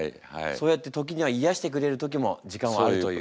そうやって時には癒やしてくれる時も時間はあるという。